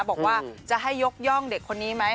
บอกว่าจะให้ยกย่องเด็กคนนี้ไหม